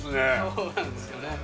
そうなんですよね